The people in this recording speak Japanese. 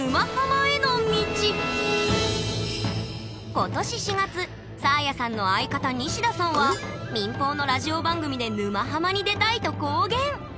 今年４月サーヤさんの相方ニシダさんは民放のラジオ番組で「沼ハマ」に出たいと公言。